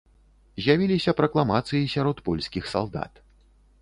З'явіліся пракламацыі сярод польскіх салдат.